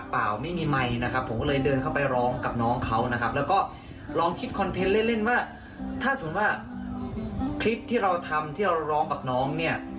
ถ้าสมมุติว่าคลิปที่เราธังทีเราจะร้องกับน้องนี่